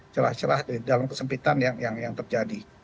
celah celah dalam kesempitan yang terjadi